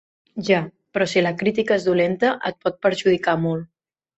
Ja, però si la crítica és dolenta et pot perjudicar molt.